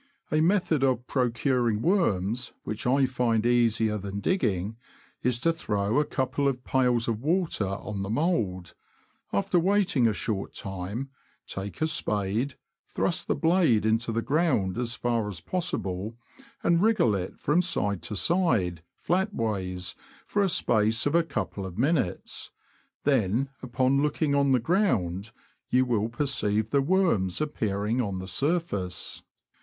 A method of procuring worms, which I find easier than digging, is to throw a couple of pails of water on the mould ; after waiting a short time, take a spade, thrust the blade into the ground as far as possible, and wriggle it from side to side, flatways, for a space of a couple of minutes ; then, upon looking on the ground, you will perceive the worms appearing on the surface.